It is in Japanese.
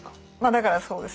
だからそうですよね